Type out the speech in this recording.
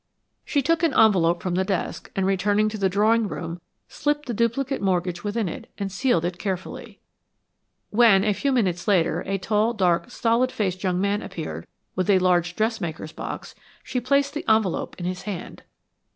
She took an envelope from the desk and returning to the drawing room slipped the duplicate mortgage within it and sealed it carefully. When, a few minutes later, a tall, dark, stolid faced young man appeared, with a large dressmaker's box, she placed the envelope in his hand.